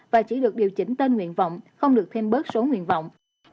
và chỉ được điều chỉnh tên nguyện vọng không được thêm bớt số nguyện vọng